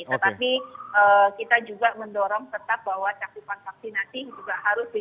tetapi kita juga mendorong tetap bahwa cakupan vaksinasi juga harus diberikan